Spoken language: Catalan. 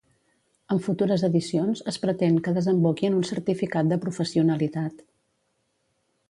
En futures edicions, es pretén que desemboqui en un certificat de professionalitat.